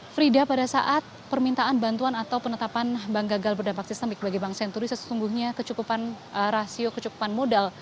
frida pada saat permintaan bantuan atau penetapan bank gagal berdampak sistemik bagi bank senturi sesungguhnya kecukupan rasio kecukupan modal